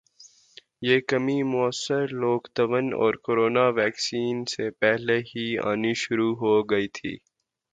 یہ کمی موثر لوک ڈاون اور کورونا ویکسین سے پہلے ہی آنی شروع ہو گئی تھی